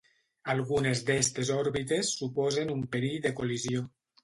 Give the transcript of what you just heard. Algunes d'estes òrbites suposen un perill de col·lisió.